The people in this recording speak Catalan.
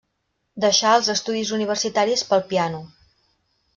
Deixà els estudis universitaris pel piano.